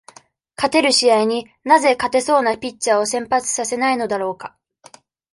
勝てる試合に、なぜ勝てそうなピッチャーを先発させないのだろうか。